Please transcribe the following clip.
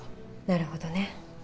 なるほどね。